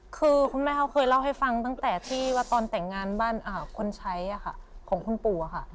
คือคุณแม่เขาเคยเล่าให้ฟังตั้งแต่ที่ว่าตอนแต่งงานบ้านคนใช้ของคุณปู่ค่ะ